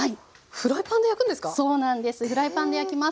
フライパンで焼きます。